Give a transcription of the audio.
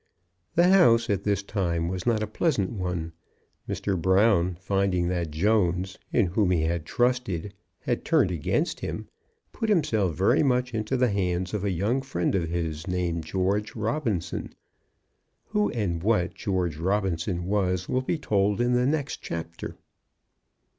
The house at this time was not a pleasant one. Mr. Brown, finding that Jones, in whom he had trusted, had turned against him, put himself very much into the hands of a young friend of his, named George Robinson. Who and what George Robinson was will be told in the next chapter.